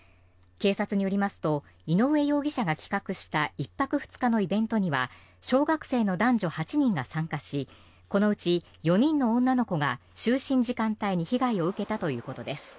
警察によりますと井上容疑者が企画した１泊２日のイベントには小学生の男女８人が参加しこのうち４人の女の子が就寝時間帯に被害を受けたということです。